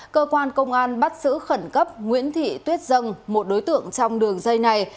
cơ quan công an bắt giữ khẩn cấp nguyễn thị tuyết dân một đối tượng trong đường dây này